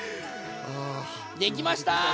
できました！